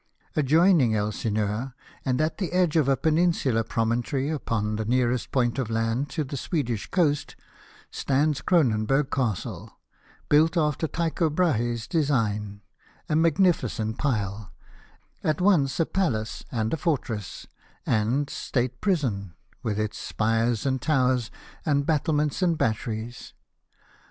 Adjoining Elsin eur, and at the edge of a peninsular promontory, upon the nearest point of land to the Swedish coast, stands Cronenburg Castle, built after Tycho Brahe's design — a magnificent pile — at once a palace, and fortress, and state prison, with its spires and towers, and battle ments and batteries.